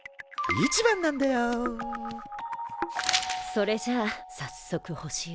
それじゃあさっそく星を。